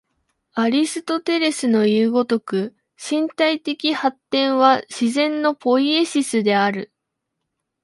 アリストテレスのいう如く、身体的発展は自然のポイエシスである。